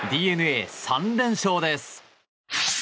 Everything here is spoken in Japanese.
ＤｅＮＡ、３連勝です。